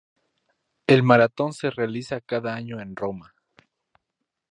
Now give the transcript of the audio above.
El maratón se realiza cada año en Roma.